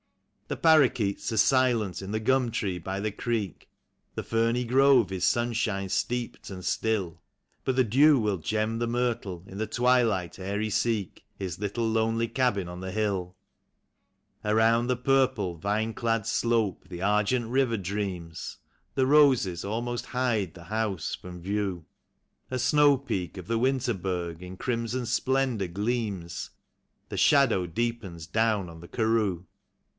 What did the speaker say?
The parrakeets are silent in the gum tree by the creek; The ferny grove is sunshine steeped and still; But the dew will gem the myrtle in the twilight ere he seek His little lonely cabin on the hill. Around the purple, vine clad slope the argent river dreams ; The roses almost hide the house from view; A snow peak of the Winterberg in crimson splendor gleams ; The shadow deepens down on the karroo.